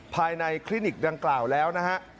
คลินิกดังกล่าวแล้วนะฮะ